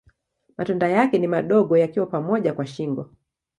Matunda yake ni madogo yakiwa pamoja kwa shingo.